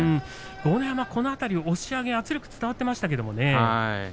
豪ノ山は押し上げ圧力が伝わっていましたけどね。